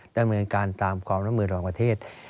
ดำเนินการตามความร่วมมือของประเทศ